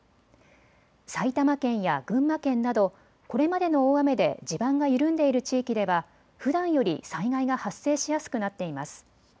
埼玉県や群馬県などこれまでの大雨で地盤が緩んでいる地域では、ふだんより災害が発生しやすくなっています。